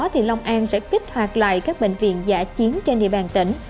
thì long an sẽ kích hoạt lại các bệnh viện giả chiến trên địa bàn tỉnh